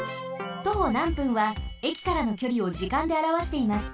徒歩なん分は駅からのきょりを時間であらわしています。